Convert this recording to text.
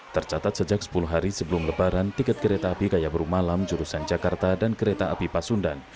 tercatat sejak sepuluh hari sebelum lebaran tiket kereta api kaya baru malam jurusan jakarta dan kereta api pasundan